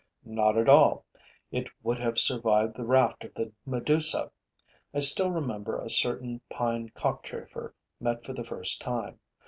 Not at all. It would have survived the raft of the Medusa. I still remember a certain pine cockchafer met for the first time.